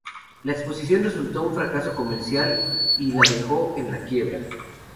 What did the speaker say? La exposición resultó un fracaso comercial y la dejó en la quiebra.